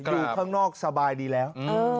ข้างนอกสบายดีแล้ว